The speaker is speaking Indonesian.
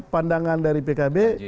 pandangan dari pkb